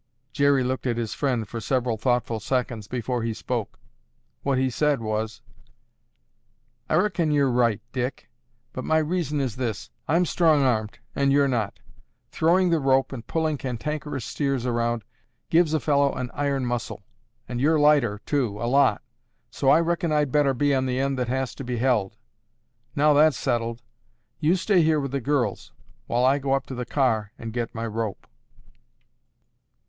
Jerry looked at his friend for several thoughtful seconds before he spoke. What he said was, "I reckon you're right, Dick, but my reason is this. I'm strong armed and you're not. Throwing the rope and pulling cantankerous steers around, gives a fellow an iron muscle. And you're lighter too, a lot, so I reckon I'd better be on the end that has to be held. Now that's settled, you stay here with the girls while I go up to the car and get my rope."